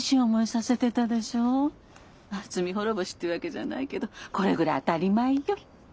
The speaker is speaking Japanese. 罪滅ぼしっていうわけじゃないけどこれぐらい当たり前よ。